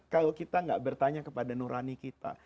kalau kita gak bertanya kepada nurani kita